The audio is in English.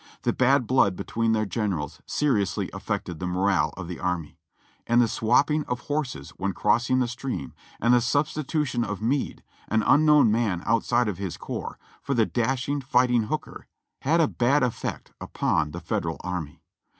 The bad blood between their generals seriously affected the morale of the army; and the swapping of horses when crossing the stream, and the substitu tion of Meade, an unknown man outside of his corps, for the dashing, fighting Hooker, had a bad effect upon the Federal army.